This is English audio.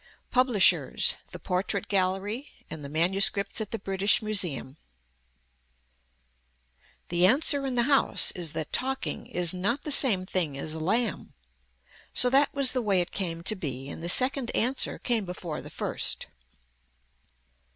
PUBLISHERS, THE PORTRAIT GALLERY AND THE MANUSCRIPTS AT THE BRITISH MUSEUM The answer in the house is that talking is not the same thing as a lamb. So that was the way it came to be and the second answer came before the first.